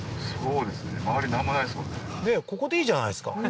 ここでいいじゃないですか